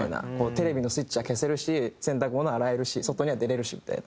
テレビのスイッチは消せるし洗濯物は洗えるし外には出られるしみたいな。